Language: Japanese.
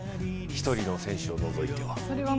１人の選手を除いては。